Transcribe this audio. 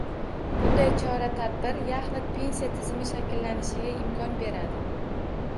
Bunday chora-tadbir yaxlit pensiya tizimi shakllanishiga imkon bergan